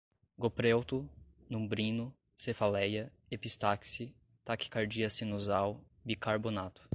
goprelto, numbrino, cefaleia, epistaxe, taquicardia sinusal, bicarbonato